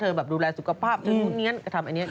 เธอแบบดูแลสุขภาพทำอย่างนี้ทำอย่างนี้